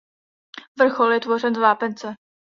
Vrchol je tvořen z vápence.